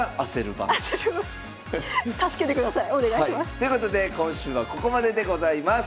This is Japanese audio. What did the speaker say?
ということで今週はここまででございます。